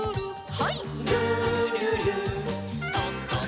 はい。